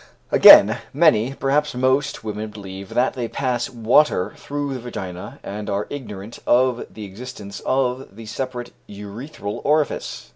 Again, many, perhaps most, women believe that they pass water through the vagina, and are ignorant of the existence of the separate urethral orifice.